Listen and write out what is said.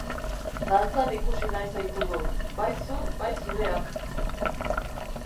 Dantzan ikusi nahi zaitugu, bai zu bai zureak!